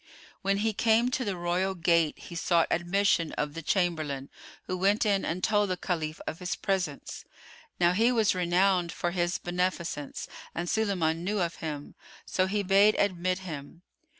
[FN#103] When he came to the royal gate, he sought admission of the chamberlain, who went in and told the Caliph of his presence. Now he was renowned for his beneficence and Sulayman knew of him; so he bade admit him.